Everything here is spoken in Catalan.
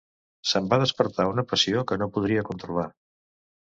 Se'm va despertar una passió que no podria controlar.